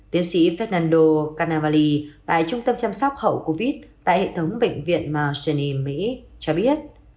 tiến sĩ fernando carnavali tại trung tâm chăm sóc hậu covid tại hệ thống bệnh viện marcellini cho biết